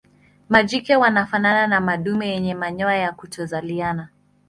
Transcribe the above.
Majike wanafanana na madume yenye manyoya ya kutokuzaliana.